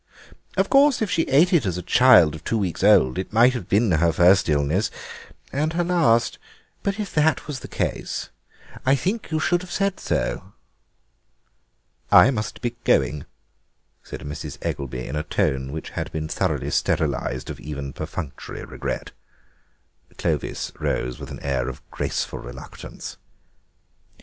Of course if she ate it as a child of two weeks old it might have been her first illness—and her last. But if that was the case I think you should have said so." "I must be going," said Mrs. Eggelby, in a tone which had been thoroughly sterilised of even perfunctory regret. Clovis rose with an air of graceful reluctance.